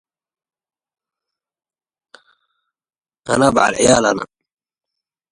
The audience burst into applause after each performance.